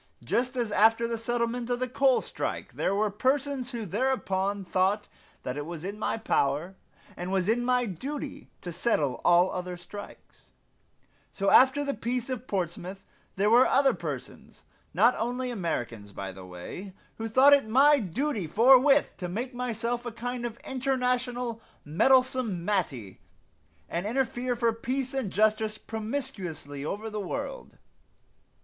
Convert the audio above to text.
Just as after the settlement of the coal strike, there were persons who thereupon thought that it was in my power, and was my duty, to settle all other strikes, so after the peace of Portsmouth there were other persons not only Americans, by the way, who thought it my duty forthwith to make myself a kind of international Meddlesome Mattie and interfere for peace and justice promiscuously over the world.